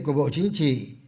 của bộ chính trị